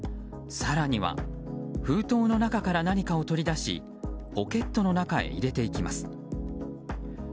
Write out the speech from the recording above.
更には封筒の中から何かを取り出しポケットの中へ入れていきます。